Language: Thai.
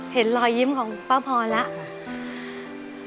เห็นรอยยิ้มของป้าพรแล้ว